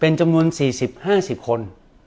จำนวน๔๐๕๐คน